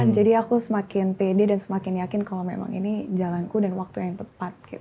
jadi aku semakin pede dan semakin yakin kalau memang ini jalanku dan waktu yang tepat